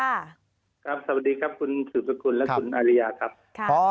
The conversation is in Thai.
สวัสดีครับคุณสืบสกุลและคุณอาริยาครับ